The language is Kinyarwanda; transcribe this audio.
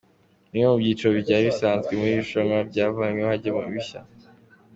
Bimwe mu byiciro byari bisanzwe muri iri rushanwa byavanywemo hajyamo ibishya.